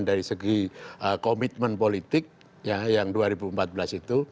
dari segi komitmen politik yang dua ribu empat belas itu